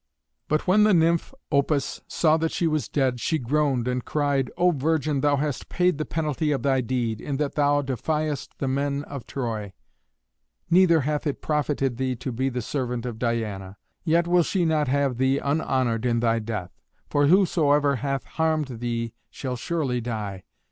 ] But when the nymph Opis saw that she was dead, she groaned, and cried, "O Virgin, thou hast paid the penalty of thy deed, in that thou defiedst the men of Troy. Neither hath it profited thee to be the servant of Diana. Yet will she not have thee unhonoured in thy death; for whosoever hath harmed thee shall surely die."